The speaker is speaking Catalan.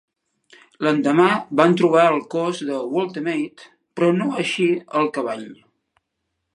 L'endemà van trobar el cos de Woltemade, però no així el cavall.